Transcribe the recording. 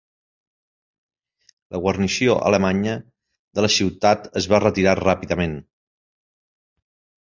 La guarnició alemanya de la ciutat es va retirar ràpidament.